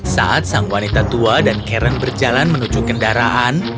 saat sang wanita tua dan karen berjalan menuju kendaraan